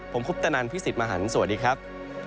ผมคุปตนันพี่สิทธิ์มหันฯสวัสดีครับ